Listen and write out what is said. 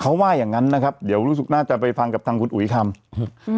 เขาว่าอย่างงั้นนะครับเดี๋ยวรู้สึกน่าจะไปฟังกับทางคุณอุ๋ยคำอืม